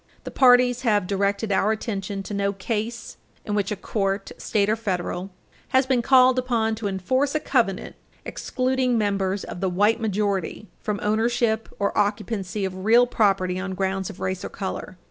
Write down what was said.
The parties have directed our attention to no case in which a court, state or federal, has been called upon to enforce a covenant excluding members of the white majority from ownership or occupancy of real property on grounds of race or color.